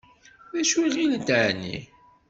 D acu i ɣilent εni?